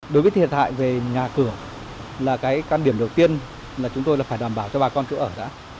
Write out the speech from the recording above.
đối với thiệt hại về nhà cửa là cái quan điểm đầu tiên là chúng tôi là phải đảm bảo cho bà con chỗ ở đã